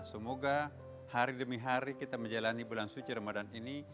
semoga hari demi hari kita menjalani bulan suci ramadan ini